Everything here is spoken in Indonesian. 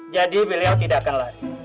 jadi beliau tidak akan lari